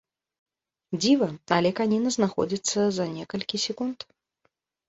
Дзіва, але каніна знаходзіцца за некалькі секунд.